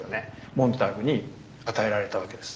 モンターグに与えられたわけです。